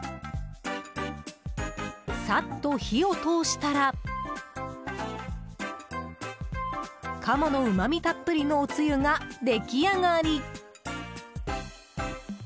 さっと火を通したら鴨のうまみたっぷりのおつゆが出来上がり。